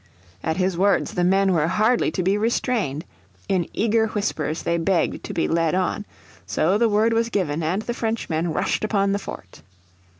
At his words the men were hardly to be restrained. In eager whispers they begged to be led on. So the word was given, and the Frenchmen rushed upon the fort.